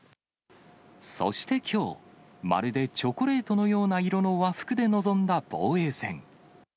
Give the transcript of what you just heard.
そしてきょう、まるでチョコレートのような色の和服で臨んだ防衛戦。